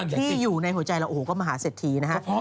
ที่อยู่ในหัวใจเราก็มหาเสร็จทีนะฮะ